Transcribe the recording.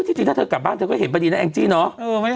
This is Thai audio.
จริงถ้าเธอกลับบ้านเธอก็เห็นพอดีนะแองจี้เนอะ